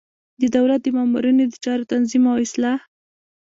د دولت د مامورینو د چارو تنظیم او اصلاح.